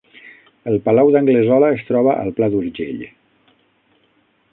El Palau d’Anglesola es troba al Pla d’Urgell